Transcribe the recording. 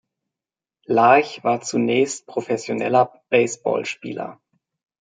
Larch war zunächst professioneller Baseballspieler.